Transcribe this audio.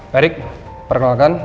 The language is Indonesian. pak erik perkenalkan